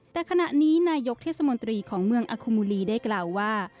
แต่ขณะนี้นายกเทศมนตรีของเมืองอคุมูลีได้กล่าวว่า